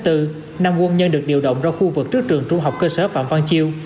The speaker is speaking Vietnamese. năm quân nhân được điều động ra khu vực trước trường trung học cơ sở phạm văn chiêu